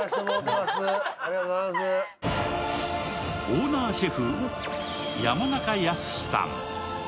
オーナーシェフ・山中康司さん。